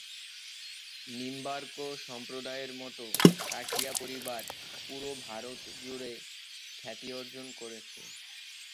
নিম্বার্ক সম্প্রদায়ের মতো, "কাঠিয়া পরিবার" পুরো ভারত জুড়ে খ্যাতি অর্জন করেছে।